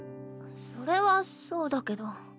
それはそうだけど。